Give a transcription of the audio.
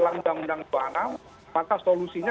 landang landang suara maka solusinya